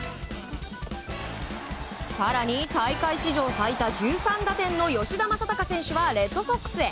更に大会史上最多１３打点の吉田正尚選手はレッドソックスへ。